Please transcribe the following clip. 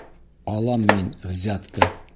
Алам мин взятка!